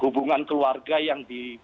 hubungan keluarga yang